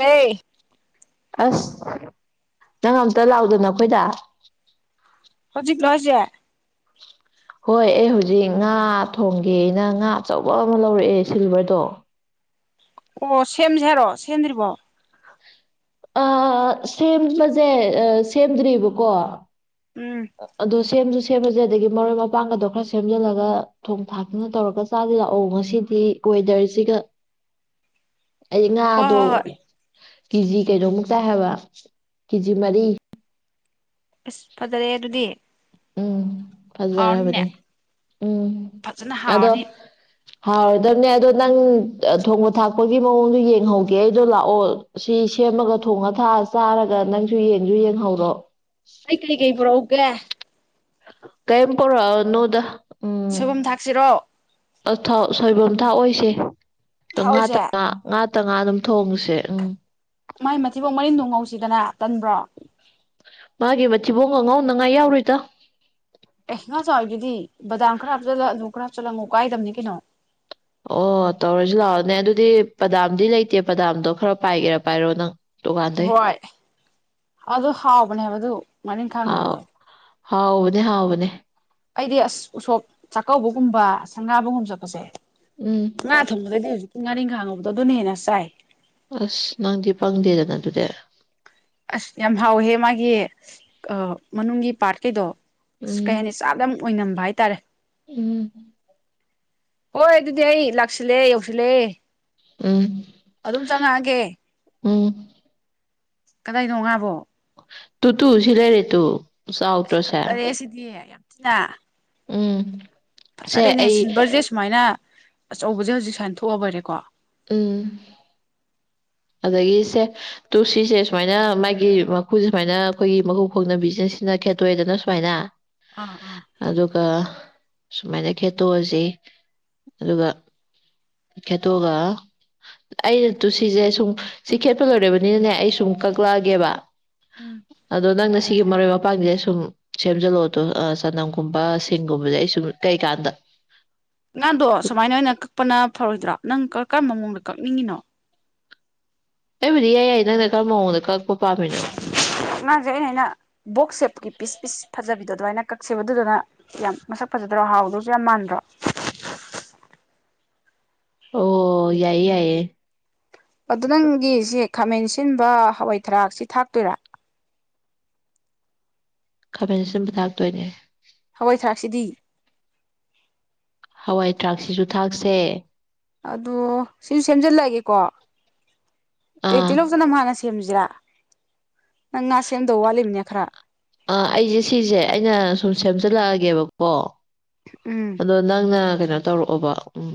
ꯂꯩ ꯑꯁ ꯅꯪ ꯑꯝꯇ ꯂꯥꯛꯗꯅꯣ ꯑꯩꯈꯣꯏꯗ ꯍꯧꯖꯤꯛ ꯅꯖꯤ [unintelligible] ꯍꯣꯏ ꯑꯩ ꯍꯧꯖꯤꯛ ꯉꯥ ꯊꯣꯡꯒꯦ ꯑꯩꯅ ꯉꯥ ꯑꯆꯧꯕ ꯑꯃ ꯂꯧꯔꯛꯑꯦ ꯁꯤꯜꯚꯔꯗꯣ ꯑꯣ ꯁꯦꯝꯁꯦ ꯍꯥꯏꯔꯣ ꯁꯦꯝꯗ꯭ꯔꯤꯕꯣ ꯁꯦꯝꯕꯁꯦ ꯁꯦꯝꯗ꯭ꯔꯤꯕꯑꯕꯀꯣ ꯎꯝ ꯑꯗꯣ ꯁꯦꯝꯁꯨ ꯁꯦꯝꯃꯁꯦ ꯑꯗꯒꯤ ꯃꯔꯣꯏ ꯃꯄꯥꯡꯒꯗꯣ ꯈꯔ ꯁꯦꯝꯖꯤꯜꯂꯒ ꯊꯣꯡ ꯊꯥꯛꯇꯅ ꯇꯧꯔꯒ ꯆꯥꯁꯤ ꯂꯥꯛꯑꯣ ꯉꯁꯤꯗꯤ ꯋꯦꯗꯔꯁꯤꯒ ꯑꯩ ꯍꯣꯏ ꯉꯥꯗꯣ ꯍꯣꯏ ꯍꯣꯏ ꯀꯦꯖꯤ ꯀꯩꯅꯣꯃꯨꯛꯇꯥꯏ ꯍꯥꯏꯕ ꯀꯦꯖꯤ ꯃꯔꯤ ꯑꯁ ꯐꯖꯔꯦ ꯑꯗꯨꯗꯤ ꯎꯝ ꯍꯥꯎꯔꯅꯤꯅꯦ ꯐꯖꯔꯕꯅꯦ ꯎꯝ ꯐꯖꯅ ꯑꯗꯣ ꯍꯥꯎꯔꯅꯤ ꯍꯥꯎꯔꯗꯕꯅꯦ ꯑꯗꯣ ꯅꯪ ꯊꯣꯡꯕ ꯊꯥꯛꯄꯒꯤ ꯃꯑꯣꯡꯗꯣ ꯌꯦꯡꯍꯧꯒꯦ ꯑꯩꯗꯣ ꯂꯥꯛꯑꯣ ꯁꯤ ꯁꯦꯝꯃꯒ ꯊꯣꯡꯉ ꯊꯥꯛꯑ ꯆꯥꯔꯒ ꯅꯪꯁꯨ ꯌꯦꯡꯁꯨ ꯌꯦꯡꯍꯧꯔꯣ ꯑꯩ ꯀꯔꯤꯀꯩ ꯄꯨꯔꯛꯎꯒꯦ ꯀꯩꯝ ꯄꯔꯛ ꯅꯣꯗ ꯁꯣꯏꯕꯨꯝ ꯊꯥꯛꯁꯤꯔꯣ ꯑꯥꯎ ꯁꯣꯏꯕꯝ ꯊꯥꯛꯑꯣꯁꯦ ꯉꯥꯛꯇ ꯊꯥꯛꯑꯣꯏꯁꯦ ꯉ ꯉꯥꯇ ꯉꯥ ꯑꯗꯨꯝ ꯊꯣꯡꯉꯁꯦ ꯎꯝ ꯃꯥꯏ ꯃꯊꯤꯐꯥꯎ ꯃꯔꯤꯟꯗꯣꯡ ꯉꯧꯁꯤꯗꯅ ꯇꯟꯕ꯭ꯔꯣ ꯃꯥꯒꯤ ꯃꯊꯤꯕꯣꯡ ꯑꯉꯥꯎꯅꯉꯥꯏ ꯌꯥꯎꯔꯨꯣꯏꯗ ꯑꯦꯁ ꯉꯥ ꯆꯥꯎꯗꯨꯗꯤ ꯗꯥꯝꯔꯞ ꯆꯠꯂꯨ ꯈꯔꯞ ꯆꯠꯂꯉꯨ ꯀꯥꯏꯗꯕꯅꯤ ꯀꯩꯅꯣ ꯑꯣ ꯇꯧꯔꯁꯨ ꯂꯥꯛꯑꯣꯅꯦ ꯑꯗꯨꯗꯤ ꯄꯗꯥꯝꯗꯤ ꯂꯩꯇꯦ ꯄꯗꯥꯝꯗꯣ ꯈꯔ ꯄꯥꯏꯒꯦꯔꯥ ꯄꯥꯏꯔꯣ ꯅꯪ ꯗꯨꯀꯥꯟꯗꯩ ꯍꯣꯏ ꯑꯗꯨ ꯍꯥꯎꯕꯅꯦꯕꯗꯨ ꯉꯥꯔꯤꯈꯥꯡ ꯍꯥꯎ ꯉꯧꯕꯗꯣ ꯍꯥꯎꯕꯅꯦ ꯍꯥꯎꯕꯅꯦ ꯑꯩꯗꯤ ꯑꯁ ꯎꯁꯣꯞ ꯆꯥꯛꯀꯧꯕꯒꯨꯝꯕ ꯁꯒꯥꯕꯒꯨꯝꯕ ꯆꯠꯄꯁꯦ ꯎꯝ ꯉꯥ ꯊꯣꯡꯕꯗꯗꯤ ꯍꯧꯖꯤꯛꯇꯀꯤ ꯉꯥꯔꯤ ꯈꯥꯡꯉꯕꯗꯣ ꯑꯗꯨꯅ ꯍꯦꯟꯅ ꯆꯥꯏ ꯑꯁ ꯅꯪꯗꯤ ꯄꯪꯗꯦꯗꯅ ꯑꯗꯨꯗꯤ ꯑꯁ ꯌꯥꯝ ꯍꯥꯎꯋꯦ ꯃꯥꯒꯤ ꯃꯅꯨꯡꯒꯤ ꯄꯥꯔꯠꯀꯩꯗꯣ ꯑꯁ ꯎꯝ ꯀꯩ ꯍꯥꯏꯅꯤ ꯆꯥꯕꯗꯥ ꯌꯥꯝ ꯑꯣꯏꯅꯝꯕ ꯍꯥꯏꯇꯥꯔꯦ ꯎꯝ ꯍꯣꯏ ꯑꯗꯨꯗꯤ ꯑꯩ ꯂꯥꯛꯁꯤꯜꯂꯦ ꯌꯧꯁꯤꯜꯂꯦ ꯎꯝ ꯑꯗꯨꯝ ꯆꯪꯉꯛꯑꯒꯦ ꯎꯝ ꯀꯗꯥꯏꯅꯣꯉꯥꯕꯣ ꯇꯨ ꯇꯨ ꯎꯁꯤꯂꯦ ꯔꯦ ꯇꯨ ꯑꯁ ꯆꯥꯎꯗ꯭ꯔꯣꯁꯦ ꯐꯅꯔꯦ ꯁꯤꯗꯤ ꯌꯥꯝ ꯊꯤꯅ ꯎꯝ ꯁꯦ ꯉꯥꯁꯥꯏꯗꯩꯩꯅꯦ ꯑꯩ ꯁꯤꯜꯚꯔꯁꯦ ꯁꯨꯃꯥꯏꯅ ꯑꯆꯧꯕꯁꯦ ꯍꯧꯖꯤꯛ ꯁꯨꯃꯥꯏꯅ ꯊꯣꯛꯑꯕꯔꯦꯀꯣ ꯎꯝ ꯑꯗꯒꯤ ꯁꯦ ꯇꯨꯜꯁꯤꯁꯦ ꯁꯨꯃꯥꯏꯅ ꯃꯥꯒꯤ ꯃꯈꯨꯁꯦ ꯁꯨꯃꯥꯏꯅ ꯑꯩꯈꯣꯏꯒꯤ ꯃꯈꯨ ꯈꯣꯡꯅꯕꯤꯁꯤꯅ ꯁꯤꯅ ꯈꯦꯩ ꯇꯣꯏꯦꯗꯅ ꯁꯨꯃꯥꯏꯅ ꯑꯥ ꯑꯥ ꯑꯗꯨꯒ ꯁꯨꯃꯥꯏꯅ ꯈꯦꯠꯇꯣꯛꯑꯁꯤ ꯑꯗꯨꯒ ꯈꯦꯠꯇꯣꯛꯑꯒ ꯑꯩꯅ ꯇꯨꯁꯤꯁꯦ ꯁꯨꯝ ꯁꯤ ꯈꯦꯠꯄ ꯂꯣꯏꯔꯦꯔꯕꯅꯤꯅꯅꯦ ꯑꯩ ꯁꯨꯝ ꯀꯛꯂꯛꯑꯒꯦꯕ ꯎꯝ ꯑꯗꯣ ꯅꯪꯅ ꯁꯤꯒꯤ ꯃꯔꯣꯏ ꯃꯄꯥꯡꯁꯦ ꯁꯨꯝ ꯁꯦꯝꯖꯜꯂꯛꯑꯣꯗꯣ ꯆꯅꯝꯒꯨꯝꯕ ꯁꯤꯡꯒꯨꯝꯕꯁꯦ ꯑꯩ ꯁꯨꯝ ꯀꯩꯀꯥꯟꯗ ꯑꯉꯥꯡꯗꯣ ꯁꯨꯃꯥꯏꯅ ꯑꯣꯏꯅ ꯀꯛꯄꯅ ꯐꯔꯣꯏꯗ꯭ꯔꯣ ꯅꯪ ꯀ ꯀꯔꯝꯕ ꯃꯑꯣꯡꯗ ꯀꯛꯅꯤꯡꯉꯤꯅꯣ ꯑꯩꯕꯨꯗꯤ ꯌꯥꯏ ꯌꯥꯏ ꯅꯪꯅ ꯀꯔꯝꯕ ꯃꯑꯣꯡꯗ ꯀꯛꯄ ꯄꯥꯝꯃꯤꯅꯣ ꯅꯠꯇꯦ ꯑꯩꯅ ꯍꯥꯏꯅ ꯕꯣꯛꯁ ꯁꯦꯞꯀꯤ ꯄꯤꯁ-ꯄꯤꯁ ꯐꯖꯕꯤꯗ ꯑꯗꯨ ꯑꯗꯨꯃꯥꯏꯅ ꯀꯛꯁꯦꯕ ꯗꯨꯗꯨꯅ ꯌꯥꯝ ꯃꯁꯛ ꯐꯖꯗ꯭ꯔꯣ ꯍꯥꯎꯗꯨꯁꯨ ꯌꯥꯝ ꯃꯥꯟꯗ꯭ꯔꯣ ꯑꯣ ꯌꯥꯏꯌꯦ ꯌꯥꯏꯌꯦ ꯑꯗꯣ ꯅꯪꯒꯤꯁꯦ ꯈꯥꯃꯦꯟ ꯁꯤꯟꯕ ꯍꯋꯥꯏ ꯊꯔꯥꯛꯁꯤ ꯊꯥꯛꯇꯣꯏꯔꯥ ꯈꯥꯕꯦꯟ ꯑꯁꯤꯟꯕ ꯊꯥꯛꯇꯣꯏꯅꯦ ꯍꯋꯥꯏ ꯊꯔꯥꯛꯁꯤꯗꯤ ꯍꯋꯥꯏ ꯊꯔꯥꯛꯁꯤꯁꯨ ꯊꯥꯛꯁꯦ ꯑꯗꯣ ꯁꯤꯁꯨ ꯁꯦꯝꯖꯤꯜꯂꯛꯑꯒꯦꯀꯣ ꯑꯥ ꯇꯤꯜꯂꯧꯇꯅ ꯍꯥꯟꯅꯁꯤ ꯁꯦꯝꯁꯤꯔꯥ ꯅꯪ ꯉꯥ ꯁꯦꯝꯗꯧ ꯋꯥꯠꯂꯤꯃꯤꯅꯦ ꯈꯔ ꯑꯥ ꯑꯩꯁꯦ ꯁꯤꯁꯦ ꯑꯩꯅ ꯁꯨꯝ ꯁꯦꯝꯖꯤꯜꯂꯛꯑꯒꯦꯕꯀꯣ ꯎꯝ ꯑꯗꯣ ꯅꯪꯅ ꯀꯩꯅꯣ ꯇꯧꯔꯛꯑꯣꯕ ꯎꯝ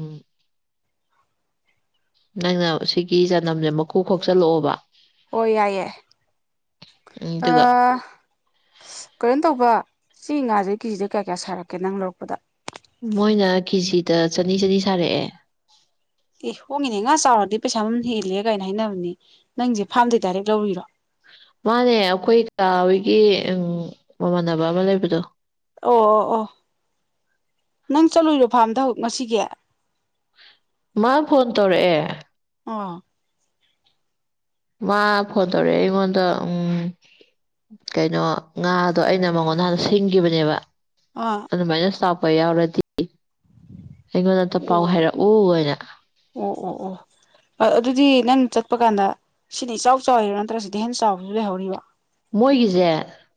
ꯅꯪꯅ ꯁꯤꯒꯤ ꯆꯅꯝꯁꯦ ꯃꯀꯨ ꯈꯣꯛꯆꯜꯂꯛꯑꯣꯕ ꯑꯣ ꯌꯥꯏꯌꯦ ꯎꯝ ꯑ ꯑꯗꯨꯒ ꯑꯁ ꯀꯩꯅꯣ ꯇꯧꯕ ꯁꯤ ꯉꯥꯁꯦ ꯀꯦꯖꯤꯗ ꯀꯌꯥ ꯀꯌꯥ ꯁꯥꯔꯛꯀꯦ ꯅꯪ ꯂꯧꯔꯛꯄꯗ ꯃꯣꯏꯅ ꯀꯦꯖꯤꯗ ꯆꯅꯤ-ꯆꯅꯤ ꯁꯥꯔꯛꯑꯦ ꯑꯦ ꯍꯣꯡꯉꯤꯅꯦ ꯉꯥ ꯆꯥꯎꯔꯗꯤ ꯄꯩꯁꯥ ꯑꯃ ꯍꯦꯜꯂꯦ ꯀꯥꯏꯅ ꯍꯥꯏꯅꯕꯅꯦ ꯅꯪꯁꯦ ꯐꯥꯔꯝꯗꯩ ꯗꯥꯏꯔꯦꯛ ꯂꯧꯔꯤꯔꯣ ꯃꯥꯅꯦ ꯑꯩꯈꯣꯏ ꯀꯥ ꯍꯣꯏꯒꯤ ꯎꯝ ꯃꯃꯥꯟꯅꯕ ꯑꯃ ꯂꯩꯕꯗꯣ ꯑꯣ ꯑꯣ ꯑꯣ ꯅꯪ ꯆꯠꯂꯨꯏꯔꯣ ꯐꯥꯔꯝꯗ ꯍꯧ ꯉꯁꯤꯒꯤ ꯃꯥ ꯐꯣꯟ ꯇꯧꯔꯛꯑꯦ ꯑꯪ ꯃꯥ ꯐꯣꯟ ꯇꯧꯔꯛꯑꯦ ꯑꯩꯉꯣꯟꯗ ꯎꯝ ꯀꯩꯅꯣ ꯉꯥꯗꯣ ꯑꯩꯅ ꯃꯉꯣꯟꯗ ꯅꯍꯥꯟꯅ ꯁꯤꯡꯈꯤꯕꯅꯦꯕ ꯑꯣꯥ ꯑꯗꯨꯃꯥꯏꯅ ꯁꯥꯎꯄ ꯌꯥꯎꯔꯗꯤ ꯑꯩꯉꯣꯟꯗꯇ ꯄꯥꯎ ꯑꯣ ꯍꯥꯏꯔꯛꯎ ꯍꯥꯏꯅ ꯑꯣ ꯑꯣ ꯑꯣ ꯑ ꯑꯗꯨꯗꯤ ꯅꯪ ꯆꯠꯄ ꯀꯥꯟꯗ ꯁꯤꯅ ꯏꯆꯥꯎ ꯆꯥꯎꯔꯤꯔꯥ ꯅꯠꯇ꯭ꯔꯒ ꯁꯤꯗꯤ ꯍꯦꯟꯅ ꯆꯥꯎꯕꯁꯨ ꯂꯩꯍꯧꯔꯤꯕꯣ ꯃꯣꯏꯒꯤꯁꯦ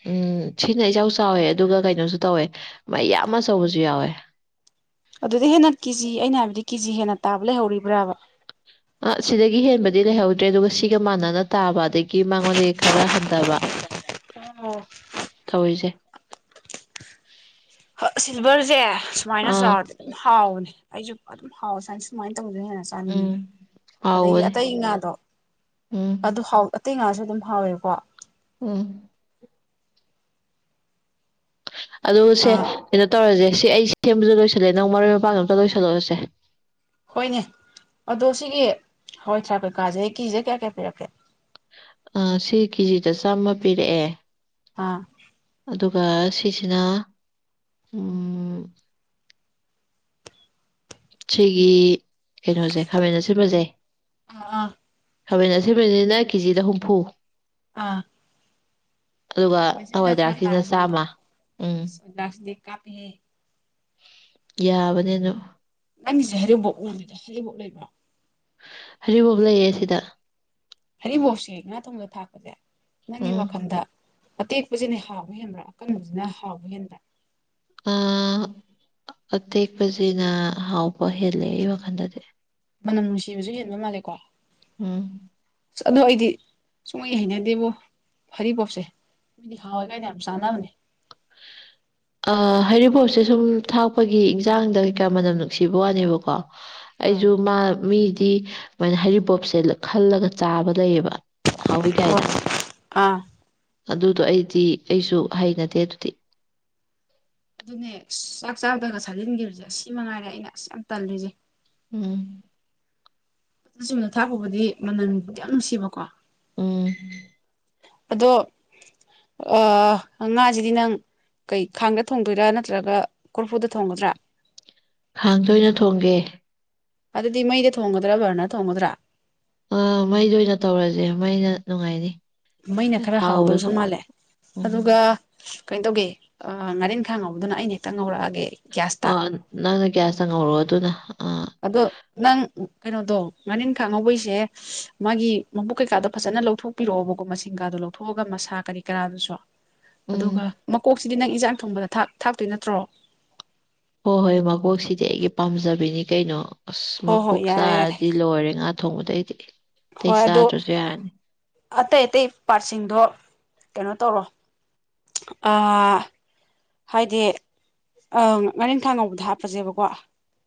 ꯎꯝ ꯁꯤꯅ ꯏꯆꯥꯎ ꯆꯥꯎꯋꯦ ꯑꯗꯨꯒ ꯀꯩꯅꯣꯁꯨ ꯇꯧꯋꯦ ꯃꯩ ꯌꯥꯝ ꯑꯃ ꯁꯧꯕꯁꯨ ꯌꯥꯎꯋꯦ ꯑꯗꯨꯗꯤ ꯍꯦꯟꯅ ꯀꯦꯖꯤ ꯑꯩꯅ ꯍꯥꯏꯕꯗꯤ ꯀꯦꯖꯤ ꯍꯦꯟꯅ ꯇꯥꯕ ꯂꯩꯍꯧꯔꯤꯕ꯭ꯔꯥꯕ ꯑ ꯁꯤꯗꯒꯤ ꯍꯦꯟꯕꯗꯤ ꯂꯩꯍꯧꯗ꯭ꯔꯦ ꯑꯗꯨꯒ ꯁꯤꯒ ꯃꯥꯟꯅꯅ ꯇꯥꯕ ꯑꯗꯒꯤ ꯃꯉꯣꯟꯗꯒꯤ ꯈꯔ ꯍꯟꯊꯕ ꯍ ꯑꯣ ꯇꯧꯔꯤꯁꯦ ꯁꯤꯜꯚꯔꯁꯦ ꯁꯨꯃꯥꯏꯅ ꯑꯥ ꯆꯥꯗꯤ ꯑꯗꯨꯝ ꯍꯥꯎꯕꯅꯦ ꯑꯩꯁꯨ ꯑꯗꯨꯝ ꯍꯥꯎ ꯁꯃꯥꯏ ꯁꯨꯃꯥꯏꯅ ꯇꯧꯖꯩꯦꯟꯅꯁꯦ ꯎꯝ ꯑꯗꯒꯤ ꯍꯥꯎꯕꯅꯦ ꯑꯇꯩ ꯉꯥꯗꯣ ꯎꯝ ꯑꯗꯨ ꯍꯥꯎ ꯑꯇꯩ ꯉꯥꯁꯨ ꯑꯗꯨꯝ ꯍꯥꯎꯋꯦꯀꯣ ꯎꯝ ꯑꯗꯨ ꯁꯦ ꯑꯥ ꯀꯩꯅꯣ ꯇꯧꯔꯁꯦ ꯁꯤ ꯑꯩ ꯀꯦꯝꯕꯁꯨ ꯂꯣꯏꯁꯤꯜꯂꯑꯦ ꯅꯪ ꯃꯔꯣꯏ ꯃꯄꯥꯡꯒ ꯑꯝꯇ ꯂꯣꯏꯁꯤꯜꯂꯛꯑꯣꯁꯦ ꯍꯣꯏꯅꯦ ꯑꯗꯣ ꯁꯤꯒꯤ ꯍꯋꯥꯏ ꯊ꯭ꯔꯥꯞ ꯀꯩꯀꯥꯁꯦ ꯀꯦꯆꯤꯗ ꯀꯌꯥ ꯀꯌꯥ ꯄꯤꯔꯛꯀꯦ ꯑ ꯁꯤ ꯀꯦꯖꯤꯗ ꯆꯥꯝꯃ ꯄꯤꯔꯛꯑꯦ ꯑꯥ ꯑꯗꯨꯒ ꯁꯤꯁꯤꯅ ꯎꯃ ꯁꯤꯒꯤ ꯀꯩꯅꯣꯁꯦ ꯈꯥꯃꯦꯟ ꯑꯥꯁꯤꯟꯕꯁꯦ ꯑꯥ ꯈꯥꯃꯦꯟ ꯑꯁꯤꯟꯕꯁꯤꯅꯥ ꯀꯦꯖꯤꯗ ꯍꯨꯝꯐꯨ ꯑꯥ ꯑꯥ ꯑꯗꯨꯒ ꯈꯥꯃꯦꯟꯁꯤꯟꯕꯤꯅ ꯍꯋꯥꯏꯗꯥꯛꯁꯤꯅ ꯆꯥꯝꯃ ꯎꯝ ꯗꯁꯗꯤ ꯀꯥꯄꯤꯍꯦ ꯌꯥꯕꯅꯦ ꯑꯗꯨ ꯅꯪꯒꯤꯁꯦ ꯍꯩꯔꯤꯕꯣꯛ ꯎꯕꯤꯗ ꯍꯩꯔꯤꯕꯣꯛ ꯂꯩꯕ꯭ꯔꯣ ꯍꯩꯔꯤꯕꯣꯞ ꯂꯩꯌꯦ ꯁꯤꯗ ꯍꯔꯤꯕꯣꯞꯁꯤ ꯉꯥ ꯊꯣꯡꯕꯗ ꯊꯥꯛꯄꯁꯦ ꯅꯪꯒꯤ ꯎꯝ ꯋꯥꯈꯜꯗ ꯑꯇꯦꯛꯄꯁꯤꯅ ꯍꯥꯎꯕ ꯍꯦꯟꯕ꯭ꯔꯥ ꯑꯀꯪꯕꯖꯤꯅ ꯍꯥꯎꯕ ꯍꯦꯟꯕ꯭ꯔꯥ ꯑꯇꯦꯛꯄꯁꯤꯅ ꯍꯥꯎꯕ ꯍꯦꯜꯂꯦ ꯑꯩ ꯋꯥꯈꯟꯗꯗꯤ ꯃꯅꯝ ꯅꯨꯡꯁꯤꯕꯁꯨ ꯍꯦꯟꯕ ꯃꯥꯜꯂꯦꯀꯣ ꯎꯝ ꯑꯁ ꯑꯗꯣ ꯑꯩꯗꯤ ꯁꯨꯡꯩ ꯍꯩꯅꯗꯦꯕꯣ ꯍꯩꯔꯤꯕꯣꯞꯁꯦ ꯃꯤꯗꯤ ꯍꯥꯎꯋꯏ ꯒꯥꯏꯅ ꯌꯥꯝ ꯆꯥꯟꯅꯕꯅꯦ ꯑ ꯍꯩꯔꯤꯕꯣꯞꯁꯦ ꯁꯨꯝ ꯊꯥꯛꯄꯒꯤ ꯏꯟꯁꯥꯡꯗ ꯀꯩꯀꯥ ꯃꯅꯝ ꯅꯨꯡꯁꯤꯕ ꯋꯥꯅꯦꯕꯀꯣ ꯑꯥ ꯑꯩꯁꯨ ꯃꯥ ꯃꯤꯗꯤ ꯄ ꯍꯔꯤꯕꯣꯞꯁꯦ ꯈꯜꯂꯒ ꯆꯥꯕ ꯂꯩꯌꯦꯕ ꯍꯥꯎꯋꯤ ꯀꯥꯏꯅ ꯍꯣꯏ ꯑꯥ ꯑꯗꯨꯗꯣ ꯑꯩꯗꯤ ꯑꯩꯁꯨ ꯍꯩꯅꯗꯦ ꯑꯗꯨꯗꯤ ꯑꯗꯨꯅꯦ ꯆꯥꯛ ꯆꯥꯗꯅ ꯁꯥꯥꯖꯤꯟꯈꯤꯕꯁꯦ ꯁꯤ ꯃꯉꯥꯏꯔꯦ ꯑꯩꯅ ꯑꯁ ꯌꯥꯝ ꯇꯜꯂꯤꯁꯦ ꯎꯝ ꯑꯗꯨ ꯆꯨꯝꯅ ꯊꯥꯛꯕꯕꯨꯗꯤ ꯃꯅꯟꯕꯨꯗꯤ ꯌꯥꯝ ꯅꯨꯡꯁꯤꯕꯀꯣ ꯎꯝ ꯑꯗꯣ ꯑ ꯉꯥꯁꯤꯗꯤ ꯅꯪ ꯀꯩ ꯈꯥꯡꯗ ꯊꯣꯡꯗꯣꯏꯔꯥ ꯅꯠꯇ꯭ꯔꯒ ꯀꯣꯔꯐꯨꯗ ꯊꯣꯡꯒꯗ꯭ꯔꯥ ꯈꯥꯡꯗ ꯑꯣꯏꯅ ꯊꯣꯡꯒꯦ ꯑꯗꯨꯗꯤ ꯃꯩꯗ ꯊꯣꯡꯒꯗ꯭ꯔꯥ ꯚꯔꯅꯔ ꯊꯣꯡꯒꯗ꯭ꯔꯥ ꯑꯥ ꯃꯩꯗ ꯑꯣꯏꯅ ꯇꯧꯔꯁꯦ ꯃꯩꯅ ꯅꯨꯡꯉꯥꯏꯅꯤ ꯃꯩꯅ ꯈꯔ ꯍꯥꯎꯗꯧꯁꯨ ꯍꯥꯎꯕꯁꯨ ꯃꯥꯜꯂꯦ ꯎꯝ ꯑꯗꯨꯒ ꯀꯩꯅꯣ ꯇꯧꯒꯦ ꯉꯥꯔꯤꯡꯈꯥ ꯉꯧꯕꯗꯨꯅ ꯑꯩꯅ ꯍꯦꯛꯇ ꯉꯧꯔꯛꯑꯒꯦ ꯑ ꯒ꯭ꯌꯥꯁꯇ ꯅꯪꯅ ꯒꯌꯥꯁꯇ ꯉꯧꯔꯀꯣ ꯑꯗꯨꯅ ꯑ ꯑꯗꯣ ꯅꯪ ꯀꯅꯣꯗꯣ ꯉꯥꯔꯤꯟꯈꯥ ꯉꯧꯕꯩꯁꯦ ꯃꯥꯒꯤ ꯃꯕꯨꯛ ꯀꯩꯀꯥꯗꯣ ꯐꯖꯅ ꯂꯧꯊꯣꯛ ꯍꯥꯥꯛꯄꯤꯔꯛꯑꯣꯕꯀꯣ ꯃꯁꯤꯡ ꯀꯥꯗꯣ ꯂꯧꯊꯣꯛꯑꯒ ꯃꯁꯥ ꯀꯔꯤ ꯀꯔꯥꯗꯨꯁꯨ ꯎꯝ ꯑꯗꯨꯒ ꯃꯀꯣꯛꯁꯤꯗꯤ ꯅꯪ ꯏꯟꯖꯥꯡ ꯊꯣꯡꯕꯗ ꯊꯥꯛ ꯊꯥꯛꯇꯣꯏ ꯅꯠꯇ꯭ꯔꯣ ꯍꯣꯏ ꯍꯣꯏ ꯃꯀꯣꯛꯁꯤꯗꯤ ꯑꯩꯒꯤ ꯄꯥꯝꯖꯕꯤꯅꯤ ꯀꯩꯅꯣ ꯑꯁ ꯍꯣꯏ ꯍꯣꯏ ꯃꯀꯣꯛ ꯌꯥꯔꯦ ꯌꯥꯔꯦ ꯆꯥꯔꯗꯤ ꯂꯣꯏꯔꯦ ꯉꯥꯛ ꯊꯣꯡꯕꯗꯩꯗꯤ ꯑꯇꯩ ꯍꯣꯏ ꯑꯗꯣ ꯆꯥꯗ꯭ꯔꯁꯨ ꯌꯥꯔꯅꯤ ꯑꯇꯩ ꯑꯇꯩ ꯄꯥꯔꯁꯤꯡꯗꯣ ꯀꯩꯅꯣ ꯇꯧꯔꯣ ꯑ ꯍꯥꯏꯗꯤ ꯉꯥꯔꯤꯜꯈꯥ ꯉꯧꯕꯗ ꯍꯥꯞꯄꯁꯦꯕꯀꯣ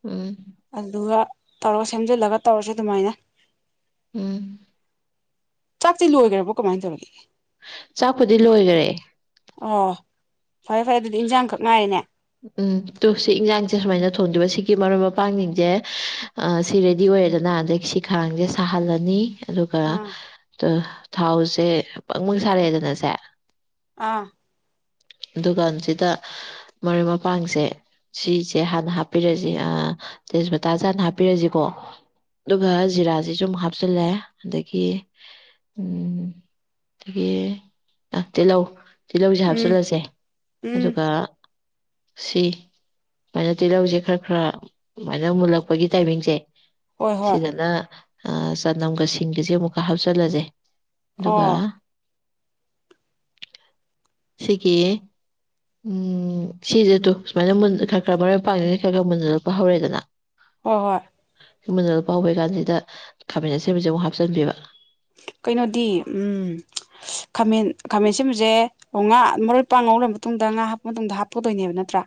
ꯎꯝ ꯑꯗꯨꯒ ꯇꯧꯔꯒ ꯁꯦꯝꯖꯤꯜꯂꯒ ꯇꯧꯔꯁꯤ ꯑꯗꯨꯃꯥꯏꯅ ꯎꯝ ꯆꯥꯛꯇꯤ ꯂꯣꯏꯈ꯭ꯔꯕ꯭ꯔꯣ ꯀꯃꯥꯏꯅ ꯇꯧꯔꯒꯦ ꯆꯥꯛꯄꯨꯗꯤ ꯂꯣꯏꯔꯦ ꯑꯣ ꯐꯔꯦ ꯐꯔꯦ ꯑꯗꯨꯗꯤ ꯏꯟꯖꯥꯡꯈꯛ ꯉꯥꯏꯔꯦꯅꯦ ꯎꯝ ꯇꯨ ꯁꯤ ꯏꯟꯁꯥꯡꯁꯦ ꯁꯨꯃꯥꯏꯅ ꯊꯣꯡꯗꯣꯏꯕ ꯁꯤꯒꯤ ꯃꯔꯨꯞ ꯃꯄꯥꯡꯁꯤꯡꯁꯦꯑ ꯑ ꯁꯤ ꯔꯦꯗꯤ ꯑꯣꯏꯔꯦꯗꯅ ꯑꯗꯩꯒꯤ ꯁꯤ ꯈꯔꯥꯡꯁꯦ ꯁꯥꯍꯜꯂꯅꯤ ꯑꯗꯨꯒ ꯑꯥ ꯇ ꯊꯥꯎꯁꯦ ꯕꯪꯕꯪ ꯁꯥꯔꯛꯑꯦꯗꯅꯁꯦ ꯑꯥ ꯗꯨꯀꯥꯟꯁꯤꯗ ꯃꯔꯣꯏ ꯃꯄꯥꯡꯁꯦ ꯁꯤꯁꯦ ꯍꯥꯟꯅ ꯍꯥꯞꯄꯤꯔꯁꯤ ꯑ ꯇꯦꯁꯄꯇꯥꯁꯦ ꯍꯥꯟꯅ ꯍꯥꯞꯄꯤꯔꯁꯤꯀꯣ ꯑꯗꯨꯒ ꯖꯤꯔꯥꯁꯤꯁꯨ ꯑꯃꯨꯛ ꯍꯥꯞꯆꯤꯜꯂꯦ ꯑꯗꯒꯤ ꯎꯝ ꯗꯒꯤ ꯑ ꯇꯤꯜꯂꯧ ꯇꯤꯜꯂꯧꯁꯤ ꯎꯝ ꯍꯥꯞꯆꯤꯜꯂꯁꯦ ꯎꯝ ꯑꯗꯨꯒ ꯁꯤ ꯁꯨꯃꯥꯏꯅ ꯇꯤꯜꯂꯧꯁꯦ ꯈꯔ ꯈꯔ ꯑꯗꯨꯃꯥꯏꯅ ꯃꯨꯜꯂꯛꯄꯒꯤ ꯇꯥꯏꯃꯤꯡꯁꯦ ꯍꯣꯏ ꯍꯣꯏ ꯁꯤꯗꯅ ꯆꯅꯝꯒ ꯁꯤꯡꯒꯁꯦ ꯑꯃꯨꯛꯀ ꯍꯥꯞꯆꯤꯜꯂꯁꯦ ꯑꯗꯨꯒ ꯑꯣ ꯁꯤꯒꯤ ꯎꯝ ꯁꯤ ꯁꯦ ꯇꯨ ꯁꯨꯃꯥꯏꯅ ꯃꯨꯟ ꯈꯔ-ꯈꯔ ꯃꯔꯣꯏ ꯃꯄꯥꯡ ꯈꯔ-ꯈꯔ ꯃꯨꯟꯖꯜꯂꯛꯄ ꯍꯧꯔꯦꯗꯅ ꯍꯣꯏ ꯍꯣꯏ ꯃꯨꯅꯍꯟꯂꯛꯄ ꯍꯧꯕ ꯀꯥꯟꯁꯤꯗ ꯈꯥꯃꯦꯟ ꯁꯤꯟꯕꯁꯦ ꯑꯃꯨꯛ ꯍꯥꯞꯆꯤꯟꯕꯤꯕ ꯀꯩꯅꯣꯗꯤ ꯎꯝ ꯈꯥꯃꯦꯟ-ꯈꯥꯃꯦꯟꯁꯤꯟꯕꯁꯦ ꯑꯣ ꯉꯥ ꯃꯔꯣꯏ ꯄꯥꯛ ꯉꯧꯔ ꯃꯇꯨꯡꯗ ꯉꯥ ꯍꯥꯞꯄ ꯃꯇꯨꯡꯗ ꯍꯥꯞꯛꯗꯣꯏꯅꯦꯕ ꯅꯠꯇ꯭ꯔꯥ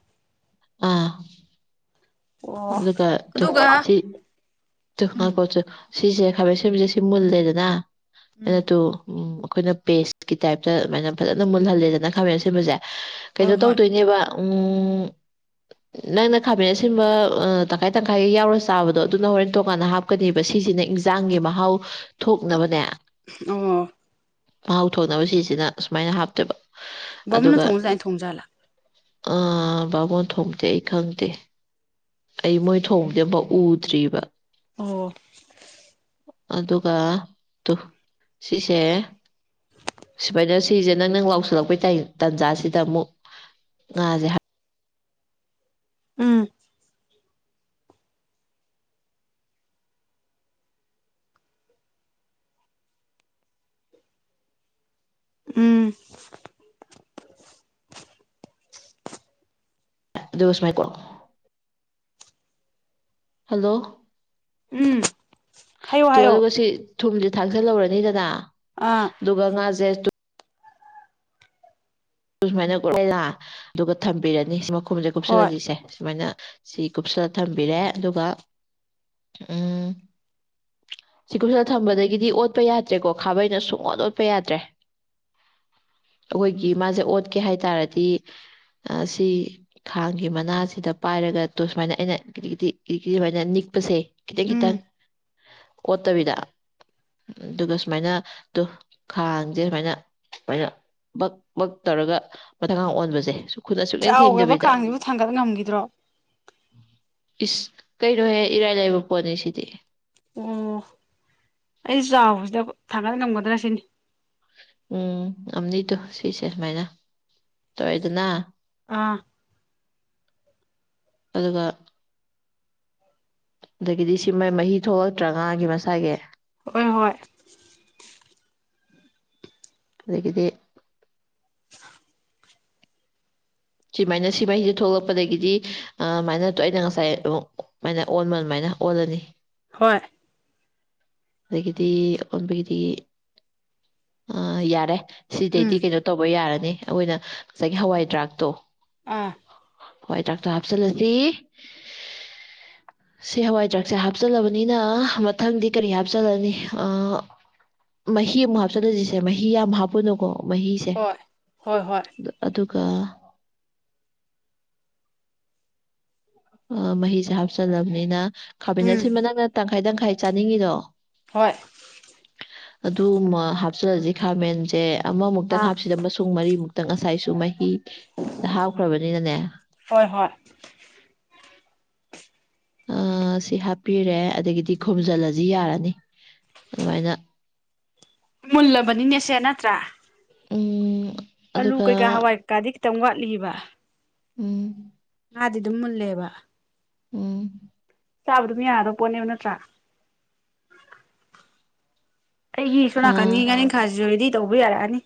ꯑꯥ ꯑꯣ ꯑꯗꯨꯒ ꯇꯨ ꯑꯗꯨꯒ ꯁꯤ ꯇꯨ ꯎꯝ ꯉꯥꯏꯈꯣ ꯇꯨ ꯁꯤꯁꯦ ꯈꯥꯃꯦꯟ ꯁꯤꯟꯕꯁꯦ ꯁꯤ ꯃꯨꯜꯂꯦꯗꯅ ꯎꯝ ꯑꯩꯅ ꯇꯨ ꯎꯝ ꯑꯩꯈꯣꯏꯅ ꯄꯦꯁꯀꯤ ꯇꯥꯏꯞꯇ ꯑꯗꯨꯃꯥꯏꯅ ꯐꯖꯅ ꯃꯨꯜꯍꯜꯂꯦꯗꯅ ꯈꯥꯃꯦꯟ ꯁꯤꯟꯕꯁꯦ ꯍꯣꯏ ꯀꯩꯅꯣ ꯍꯣꯏ ꯇꯧꯗꯣꯏꯅꯦꯕ ꯎꯝ ꯅꯪꯅ ꯈꯥꯃꯦꯟ ꯑꯁꯤꯟꯕ ꯇꯪꯈꯥꯏ-ꯇꯪꯈꯥꯏ ꯌꯥꯎꯔ ꯆꯥꯕꯗꯣ ꯑꯗꯨꯅ ꯍꯣꯔꯦꯟ ꯇꯣꯉꯥꯟꯅꯥ ꯍꯥꯞꯄ ꯍꯥꯞꯀꯅꯦꯕ ꯁꯤꯁꯤꯅ ꯏꯟꯁꯥꯡꯒꯤ ꯃꯍꯥꯎ ꯊꯣꯛꯅꯕꯅꯦ ꯑꯣ ꯃꯍꯥꯎ ꯊꯣꯡꯅꯕ ꯁꯤꯁꯤꯅ ꯁꯨꯃꯥꯏꯅ ꯍꯥꯞꯇꯦꯕ ꯕꯥꯃꯣꯟꯅ ꯑꯗꯨꯒ ꯊꯣꯡꯖꯥꯠꯂ ꯑꯩꯅ ꯊꯣꯡꯖꯥꯠꯂ [unintelligible] ꯊꯣꯡꯗꯦ ꯑꯩ ꯈꯪꯗꯦ ꯑꯩ ꯃꯣꯏ ꯊꯣꯡꯕꯗꯤꯦ ꯑꯃꯨꯛ ꯎꯗ꯭ꯔꯤꯕ ꯑꯣ ꯑꯗꯨꯒ ꯇꯨ ꯁꯤꯁꯦ ꯁꯨꯃꯥꯏꯅ ꯁꯤꯁꯦ ꯅꯪ ꯅꯪ ꯂꯥꯎꯁꯤꯜꯂꯛꯄꯩ ꯇꯥꯟꯖꯥꯁꯤꯗ ꯑꯃꯨꯛ ꯉꯥꯁꯦ ꯎꯝ ꯎꯝ [unintelligible] ꯍꯜꯂꯣ ꯎꯝ ꯍꯥꯏꯌꯣ ꯇ ꯍꯥꯏꯌꯣ ꯀꯁꯤ ꯊꯨꯝꯁꯦ ꯊꯥꯡꯖꯜꯍꯧꯔꯅꯤ ꯗꯗꯥ ꯑꯥ ꯑꯗꯨꯒ ꯉꯥꯥꯁꯦꯁꯨ ꯁꯨꯃꯥꯏꯅꯂꯂ ꯑꯗꯨꯒ ꯊꯝꯕꯤꯔꯅꯤ ꯁꯤ ꯃꯈꯨꯝꯁꯦ ꯍꯣꯏ ꯀꯨꯞꯁꯜꯂꯜꯂꯤꯁꯦ ꯁꯨꯃꯥꯏꯅ ꯁꯤ ꯀꯨꯞꯁꯜꯂꯥ ꯊꯝꯕꯤꯔꯦ ꯑꯗꯨꯒ ꯎꯝ ꯁꯤꯀꯨꯝꯁꯤꯗ ꯊꯝꯕꯗꯒꯤꯗꯤ ꯑꯣꯠꯄ ꯌꯥꯗ꯭ꯔꯦꯀꯣ ꯈꯥꯕꯩꯅ ꯁꯨꯡꯑꯣꯗ ꯑꯣꯠꯄ ꯌꯥꯗ꯭ꯔꯦ ꯑꯩꯈꯣꯏꯒꯤ ꯃꯥꯁꯦ ꯑꯣꯠꯀꯦ ꯍꯥꯏ ꯇꯔꯗꯤ ꯁꯤ ꯈꯥꯡꯒꯤ ꯃꯅꯥꯁꯤꯗ ꯄꯥꯏꯔꯒ ꯇꯣ ꯁꯨꯃꯥꯏꯅ ꯑꯩꯅ ꯀꯤꯗꯤꯛ ꯀꯇꯗꯤ ꯀꯔꯤ ꯀꯔꯤꯃꯥꯏꯅ ꯅꯤꯛꯄꯁꯦ ꯈꯤꯇꯪ ꯎꯝ ꯈꯤꯇꯪ ꯑꯣꯠꯇꯕꯤꯗ ꯑꯗꯨꯒ ꯁꯨꯃꯥꯏꯅ ꯈꯥꯡꯁꯦ ꯁꯨꯃꯥꯏꯅꯃꯥꯏꯅ ꯕꯛ ꯕꯛ ꯇꯧꯔꯒ ꯃꯊꯪꯒ ꯑꯣꯟꯕꯁꯦ ꯈꯨꯠꯅ ꯁꯨꯛꯂꯦꯡ ꯆꯥꯎꯈ꯭ꯔꯕ ꯊꯦꯡꯗꯕꯤꯗ ꯀꯥꯡꯁꯤꯕꯨ ꯊꯥꯡꯒꯠ ꯉꯝꯈꯤꯗ꯭ꯔꯣ ꯏꯁ ꯀꯩꯅꯣꯍꯦ ꯏꯔꯥꯏ ꯂꯩꯕ ꯄꯣꯠꯅꯤ ꯁꯤꯗꯤ ꯑꯣ ꯑꯩ ꯆꯥꯎꯕꯁꯤꯗ ꯊꯥꯡꯒꯠ ꯉꯝꯒꯗ꯭ꯔꯥ ꯁꯤꯅꯤ ꯎꯝ ꯑꯗꯣ ꯁꯤꯁꯦ ꯁꯨꯃꯥꯏꯅ ꯇꯧꯔꯦꯗꯅ ꯑꯥ ꯑꯗꯨꯒ ꯑꯗꯒꯤꯗꯤ ꯁꯤ ꯃꯍꯤ ꯊꯣꯛꯂꯛꯇ꯭ꯔꯉꯥꯒꯤ ꯃꯁꯥꯏꯒꯤ ꯍꯣꯏ ꯍꯣꯏ ꯑꯗꯒꯤꯗꯤ ꯁꯨꯃꯥꯏꯅ ꯁꯤ ꯃꯍꯩꯁꯦ ꯊꯣꯛꯂꯛꯄꯗꯒꯤꯗꯤ ꯑꯗꯨꯃꯥꯏꯅ ꯑꯩꯅ ꯉꯁꯥꯏ ꯃꯃꯥꯏꯅ ꯑꯣꯟꯃ ꯑꯗꯨꯃꯥꯏꯅ ꯑꯣꯂꯅꯤ ꯍꯣꯏ ꯑꯗꯒꯤꯗꯤ ꯑꯣꯟꯕꯤꯒꯤꯗꯤ ꯑ ꯌꯥꯔꯦ ꯎꯝ ꯁꯤꯗꯩꯗꯤ ꯀꯩꯅꯣ ꯇꯧꯕ ꯌꯥꯔꯅꯤ ꯑꯩꯈꯣꯏꯅ ꯉꯁꯥꯏꯒꯤ ꯍꯋꯥꯏ ꯗ꯭ꯔꯥꯛꯇꯣ ꯑꯥ ꯍꯣꯏ ꯗꯥꯛꯇꯔ ꯍꯥꯞꯆꯤꯜꯂꯁꯤ ꯁꯤ ꯍꯋꯥꯏ ꯆꯔꯥꯛꯁꯦ ꯍꯥꯞꯆꯤꯜꯂꯕꯅꯤꯅ ꯃꯊꯪꯗꯤ ꯀꯔꯤ ꯍꯥꯞꯆꯜꯂꯅꯤ ꯃꯍꯤ ꯑꯃꯨꯛ ꯍꯥꯞꯆꯜꯂꯁꯤꯁꯦ ꯃꯍꯤ ꯌꯥꯝ ꯍꯥꯞꯄꯅꯨꯀꯣ ꯃꯍꯤꯁꯦ ꯍꯣꯏ ꯍꯣꯏ ꯍꯣꯏ ꯑꯗꯨꯒ ꯑ ꯃꯍꯤꯁꯦ ꯍꯥꯞꯆꯜꯂꯕꯅꯤꯅ ꯈꯥꯃꯦꯟ ꯎꯝ ꯑꯁꯤꯟꯕ ꯅꯪꯅ ꯇꯪꯈꯥꯏ- ꯇꯪꯈꯥꯏ ꯆꯥꯅꯤꯡꯉꯤꯗꯣ ꯍꯣꯏ ꯑꯗꯨ ꯍꯥꯞꯆꯜꯂꯁꯤ ꯈꯥꯃꯦꯟꯁꯦ ꯑꯃꯃꯨꯛꯇꯪ ꯑꯥ ꯍꯥꯞꯁꯤꯔ ꯑꯃꯁꯨꯡ ꯃꯔꯤꯃꯨꯛꯇ ꯉꯁꯥꯏꯁꯨ ꯃꯍꯤ ꯍꯥꯞꯈ꯭ꯔꯕꯅꯤꯅꯅꯦ ꯍꯣꯏ ꯍꯣꯏ ꯁꯤ ꯍꯥꯞꯄꯤꯔꯦ ꯑꯗꯒꯤꯗꯤ ꯈꯣꯨꯝꯖꯤꯜꯂꯁꯤ ꯌꯥꯔꯅꯤ ꯑꯗꯨꯃꯥꯏꯅ ꯃꯨꯜꯂꯕꯅꯤꯅꯦꯁꯦ ꯅꯠꯇ꯭ꯔꯥ ꯎꯝ ꯑꯥꯂꯨ ꯑꯗꯨꯒ ꯀꯩꯀꯥ ꯍꯋꯥꯏ ꯀꯩꯀꯥꯗꯤ ꯈꯤꯇꯪ ꯋꯥꯠꯂꯤꯕ ꯎꯝ ꯉꯗꯤ ꯑꯗꯨꯝ ꯃꯨꯜꯂꯦꯕ ꯎꯝ ꯆꯥꯕꯗꯨꯝ ꯌꯥꯗꯕ ꯄꯣꯠꯅꯦꯕ ꯅꯠꯇ꯭ꯔꯥ ꯑꯩꯒꯤꯁꯨ ꯑ ꯅꯥꯀꯟꯅꯤꯒꯤ ꯉꯥꯔꯤꯈꯥꯁꯤꯁꯨ ꯔꯦꯗꯤ ꯇꯧꯕ ꯌꯥꯔꯛꯑꯅꯤ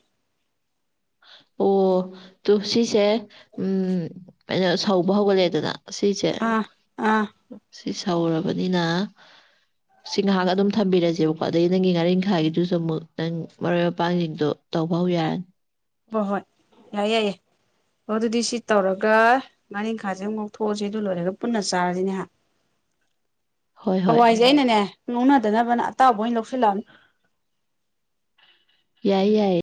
ꯑꯣ ꯇꯨ ꯁꯤꯁꯦ ꯎ ꯀꯩꯅꯣ ꯁꯧꯕ ꯍꯧꯒꯠꯂꯦꯗꯅ ꯑꯁꯤꯁꯦ ꯑꯥ ꯑꯥ ꯁꯤ ꯁꯧꯔꯕꯅꯤꯅ ꯁꯤ ꯉꯥꯏꯍꯥꯛ ꯑꯗꯨꯝ ꯊꯝꯕꯤꯔꯁꯦꯕꯀꯣ ꯑꯗꯩ ꯅꯪꯒꯤ ꯉꯥꯔꯤꯈꯥꯏꯒꯤꯗꯨꯁꯨ ꯑꯃꯨꯛ ꯅꯪ ꯃꯔꯣꯏ ꯃꯄꯥꯡꯁꯤꯡꯗꯣ ꯇꯧꯕ ꯍꯧ ꯌꯥꯔꯅꯤ ꯍꯣꯏ ꯌꯥꯌꯦꯏꯌꯦ ꯑꯣ ꯑꯗꯨꯗꯤ ꯁꯤ ꯇꯧꯔꯒ ꯉꯥꯔꯤꯈꯥꯁꯦ ꯑꯃꯨꯛ ꯊꯣꯛꯣꯛꯑꯁꯤ ꯑꯗꯨ ꯂꯣꯏꯔꯒ ꯄꯨꯟꯅ ꯆꯥꯔꯁꯤꯅꯦꯍꯥꯛ [unintelligible] ꯍꯣꯏ ꯍꯣꯏ ꯍꯋꯥꯏꯁꯦ ꯑꯩꯅꯅꯦ ꯉ ꯂꯧꯅꯗꯅꯕꯅ ꯑꯇꯥꯎꯕ ꯑꯣꯏꯅ ꯂꯧꯁꯤꯜꯂꯛꯑꯕꯅꯤ ꯌꯥꯏ ꯌꯥꯌꯦ